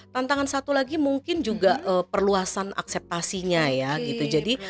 tantangan satu lagi mungkin juga perluasan akseptasinya ya gitu